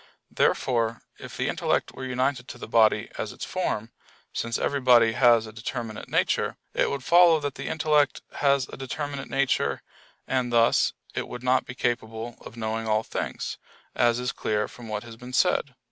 Therefore if the intellect were united to the body as its form, since every body has a determinate nature, it would follow that the intellect has a determinate nature; and thus, it would not be capable of knowing all things, as is clear from what has been said (Q.